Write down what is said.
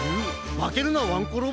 まけるなワンコロボ。